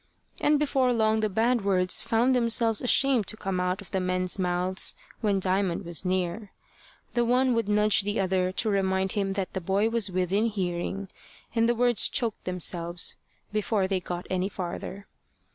And before long the bad words found themselves ashamed to come out of the men's mouths when Diamond was near. The one would nudge the other to remind him that the boy was within hearing, and the words choked themselves before they got any farther.